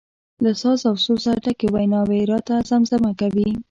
له ساز او سوزه ډکې ویناوي راته زمزمه کوي.